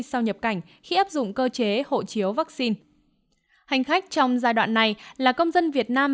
sau nhập cảnh khi áp dụng cơ chế hộ chiếu vaccine hành khách trong giai đoạn này là công dân việt nam